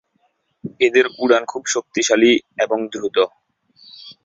এদের উড়ান খুব শক্তিশালী এবং দ্রুত।